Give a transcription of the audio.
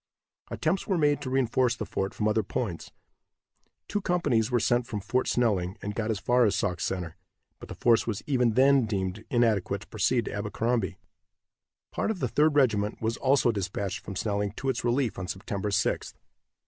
Attempts were made to reinforce the fort from other points. Two companies were sent from Fort Snelling, and got as far as Sauk Center, but the force was even then deemed inadequate to proceed to Abercrombie. Part of the Third Regiment was also dispatched from Snelling to its relief on September 6th.